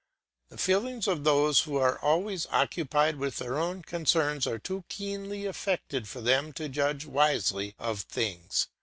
The feelings of those who are always occupied with their own concerns are too keenly affected for them to judge wisely of things.